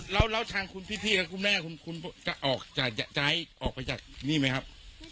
แล้วทางภี่พี่และคุณแม่จะจะออกออกไปจากนี่ไหมครับ